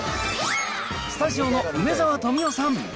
スタジオの梅沢富美男さん。